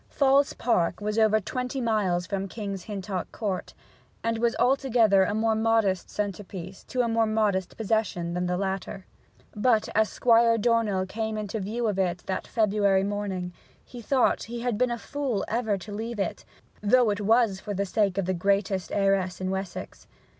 Falls Park was over twenty miles from King's Hintock Court, and was altogether a more modest centre piece to a more modest possession than the latter. But as Squire Dornell came in view of it that February morning, he thought that he had been a fool ever to leave it, though it was for the sake of the greatest heiress in Wessex.